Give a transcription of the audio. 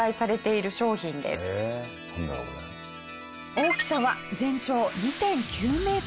大きさは全長２．９メートル